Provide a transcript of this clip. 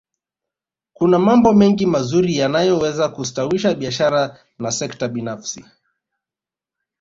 kuna mambo mengi mazuri yanayoweza kustawisha biashara na sekta binafsi